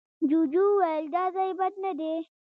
جوجو وويل، دا ځای بد نه دی.